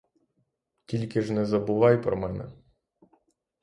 Тільки ж не забувай про мене.